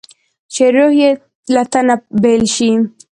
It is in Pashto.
چې روح یې له تنه بېل شي.